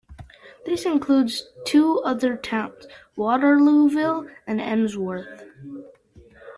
This includes two other towns: Waterlooville and Emsworth.